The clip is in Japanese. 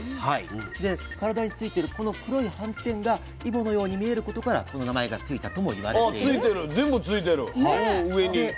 で体についてるこの黒い斑点がイボのように見えることからこの名前が付いたとも言われているんです。